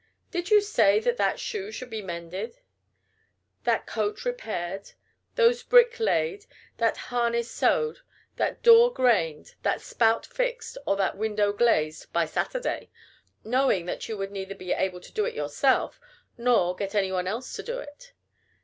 Did you say that that shoe should be mended, that coat repaired, those brick laid, that harness sewed, that door grained, that spout fixed, or that window glazed, by Saturday, knowing that you would neither be able to do it yourself nor get any one else to do it?